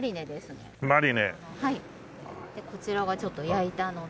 こちらがちょっと焼いたの。